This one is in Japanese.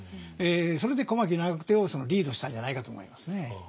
それで小牧・長久手をリードしたんじゃないかと思いますね。